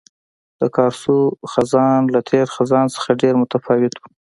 د کارسو خزان له تېر خزان څخه ډېر متفاوت وو.